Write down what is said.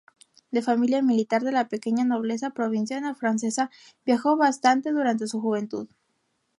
De familia militar de la pequeña nobleza provinciana francesa, viajó bastante durante su juventud.